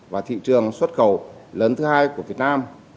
và thị trường xuất khẩu lớn thứ hai của việt nam